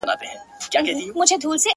چي كورنۍ يې،